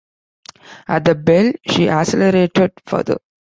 At the bell she accelerated further.